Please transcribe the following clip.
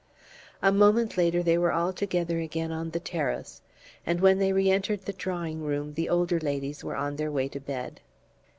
A moment later they were all together again on the terrace, and when they re entered the drawing room the older ladies were on their way to bed.